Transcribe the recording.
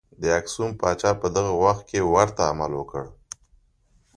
د اکسوم پاچا په دغه وخت کې ورته عمل وکړ.